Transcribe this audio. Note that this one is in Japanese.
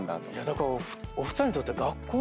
だからお二人にとって。